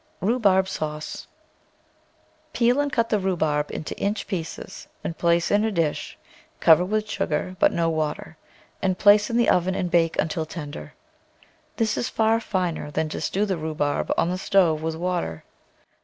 RHUBARB SAUCE Peel and cut the rhubarb into inch pieces and place in a dish, cover with sugar, but no water, and place in the oven and bake until tender. This is far finer than to stew the rhubarb on the stove with water.